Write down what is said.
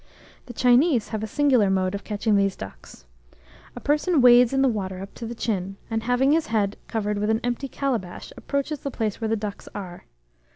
The Chinese have a singular mode of catching these ducks. A person wades in the water up to the chin, and, having his head covered with an empty calabash, approaches the place where the ducks are.